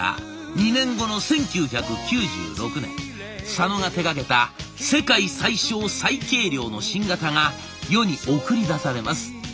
佐野が手がけた世界最小最軽量の新型が世に送り出されます。